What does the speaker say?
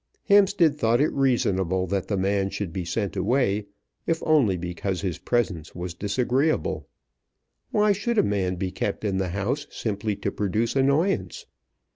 Hampstead thought it reasonable that the man should be sent away, if only because his presence was disagreeable. Why should a man be kept in the house simply to produce annoyance?